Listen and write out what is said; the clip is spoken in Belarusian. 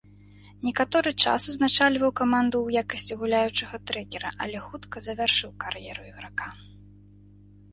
Некаторы час узначальваў каманду ў якасці гуляючага трэнера, але хутка завяршыў кар'еру іграка.